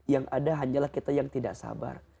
yang ada hanyalah kita yang tidak sabar